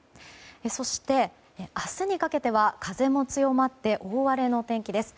そして、明日にかけては風も強まって大荒れの天気です。